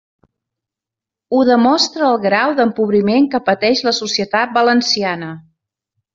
Ho demostra el grau d'empobriment que pateix la societat valenciana.